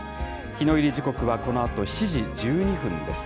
日の入り時刻はこのあと７時１２分です。